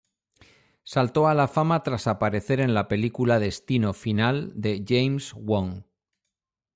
Saltó a la fama tras aparecer en la película "Destino final" de James Wong.